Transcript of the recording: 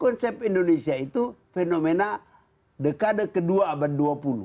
konsep indonesia itu fenomena dekade kedua abad dua puluh